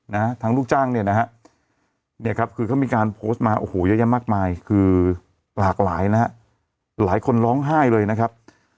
นะฮะทางลูกจ้างเนี่ยนะฮะเนี่ยครับคือเขามีการโพสต์มาโอ้โหเยอะแยะมากมายคือหลากหลายนะฮะหลายคนร้องไห้เลยนะครับ